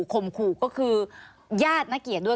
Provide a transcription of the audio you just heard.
ข่มขู่ก็คือญาตินักเกียรติด้วย